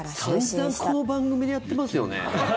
散々この番組でやってますよね。